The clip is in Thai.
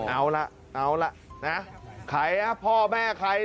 เอาล่ะเอาล่ะนะใครอ่ะพ่อแม่ใคร